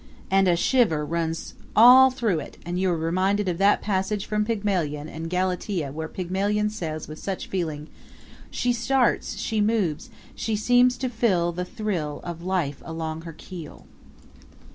And now a shiver runs all through it and you are reminded of that passage from Pygmalion and Galatea where Pygmalion says with such feeling: She starts; she moves; she seems to feel the thrill of life along her keel.